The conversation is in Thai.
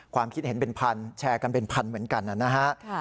ความคิดเห็นเป็นพันแชร์กันเป็นพันเหมือนกันนะฮะ